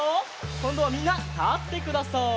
こんどはみんなたってください。